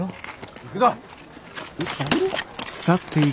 行くぞ。